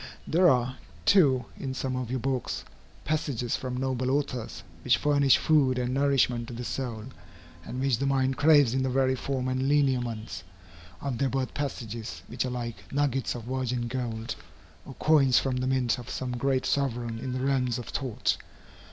There are, too, in some of your books, passages from noble authors, which furnish food and nourishment to the soul, and which the mind craves in the very form and lineaments of their birth passages which are like nuggets of virgin gold, or coins from the mint of some great sovereign in the realms of thought.